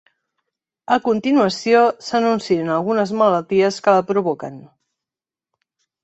A continuació s'enuncien algunes malalties que la provoquen.